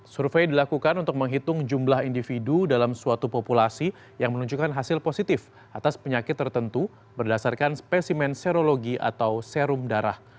survei dilakukan untuk menghitung jumlah individu dalam suatu populasi yang menunjukkan hasil positif atas penyakit tertentu berdasarkan spesimen serologi atau serum darah